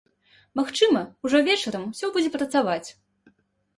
Магчыма, ужо вечарам усё будзе працаваць.